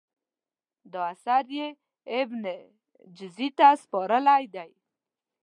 دا اثر یې ابن جزي ته سپارلی دی.